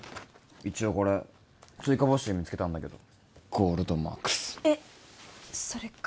一応これ追加募集見つけたんだけどゴールドマークスえっそれ